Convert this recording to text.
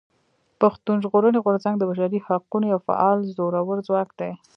پښتون ژغورني غورځنګ د بشري حقونو يو فعال زورور ځواک دی.